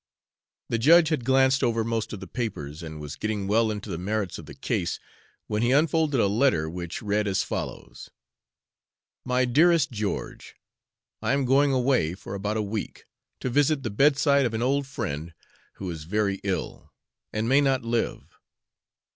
The judge had glanced over most of the papers, and was getting well into the merits of the case, when he unfolded a letter which read as follows: MY DEAREST GEORGE, I am going away for about a week, to visit the bedside of an old friend, who is very ill, and may not live.